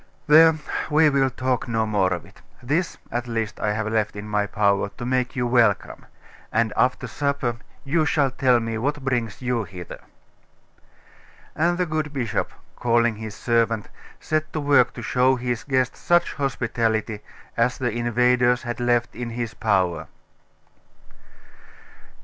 There, we will talk no more of it. This, at least, I have left in my power, to make you welcome. And after supper you shall tell me what brings you hither.' And the good bishop, calling his servant, set to work to show his guest such hospitality as the invaders had left in his power.